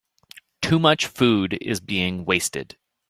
Too much food is being wasted.